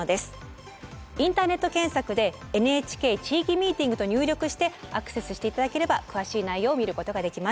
インターネット検索で「ＮＨＫ地域ミーティング」と入力してアクセスして頂ければ詳しい内容を見ることができます。